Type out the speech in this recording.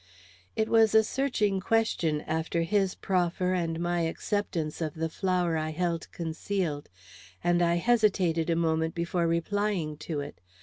It was a searching question after his proffer, and my acceptance of the flower I held concealed, and I hesitated a moment before replying to it.